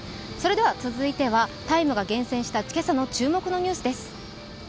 続いては「ＴＩＭＥ，」が厳選した今朝の注目ニュースです。